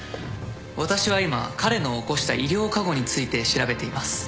私は今彼の起こした医療過誤について調べています。